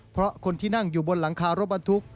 เพราะคนที่นั่งอยู่บนหลังคารถบรรทุก